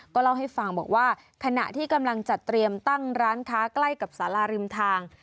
เล่าให้ฟังบอกว่าขณะที่กำลังจัดเตรียมตั้งร้านค้าใกล้กับสาราริมทาง